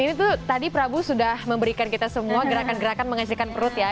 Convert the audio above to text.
ini tuh tadi prabu sudah memberikan kita semua gerakan gerakan menghasilkan perut ya